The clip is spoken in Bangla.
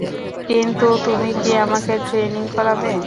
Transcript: কিন্তু তুমি কি আমাকে ট্রেনিং করাবে?